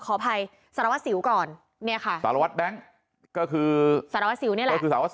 ขออภัยสารวัสสิวก่อนเนี่ยค่ะสารวัตรแบงค์ก็คือสารวัสสิวนี่แหละ